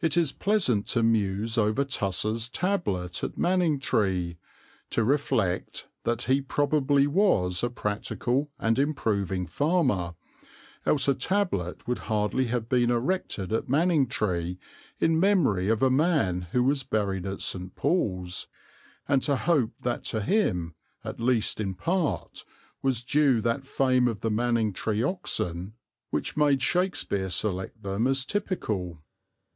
It is pleasant to muse over Tusser's tablet at Manningtree, to reflect that he probably was a practical and improving farmer, else a tablet would hardly have been erected at Manningtree in memory of a man who was buried at St. Paul's, and to hope that to him, at least in part, was due that fame of the Manningtree oxen which made Shakespeare select them as typical.